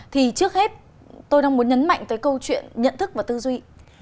thì trước hết tôi đang muốn nhấn mạnh tới câu chuyện nhận thức và tư duy